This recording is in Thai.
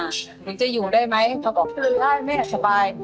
หนูจะอยู่ได้ไหมเขาบอกไม่เป็นไรแม่สบาย